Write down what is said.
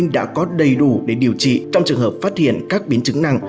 đã có đầy đủ để điều trị trong trường hợp phát hiện các biến chứng nặng